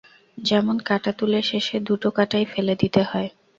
যেমন কাঁটা তুলে শেষে দুটো কাঁটাই ফেলে দিতে হয়।